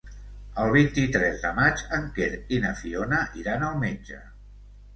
El vint-i-tres de maig en Quer i na Fiona iran al metge.